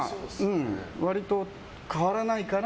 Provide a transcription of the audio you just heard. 割と変わらないから。